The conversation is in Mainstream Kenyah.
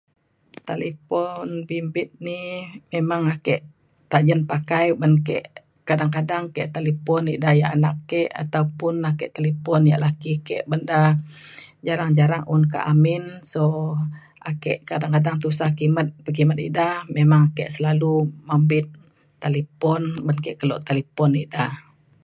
talipon bimbit ni memang ake tajen pakai uban ke kadang kadang ke talipon ida ia’ anak ke ataupun ake talipon ia’ laki ke uban da jarang jarang un kak amin so ake kadang kadang tusah kimet pekimet ida memang ake selalu mampin talipon ban ke kelo talipon ida